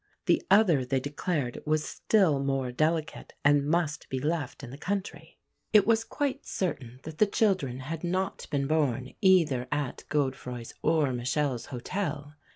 The other, they declared, was still more delicate and must be left in the country. It was quite certain that the children had not been born either at Godefroi's or Michele's Hotel.